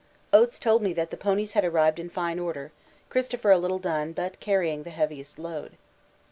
Oates told me that the ponies had arrived in fine order, Christopher a little done, but carrying the heaviest load.